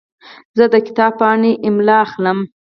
زه د کتاب پاڼې املا اخلم.